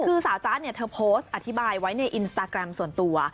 คือสาวจ๊ะเนี่ยเธอโพสต์อธิบายไว้ในอินสตาแกรมส่วนตัว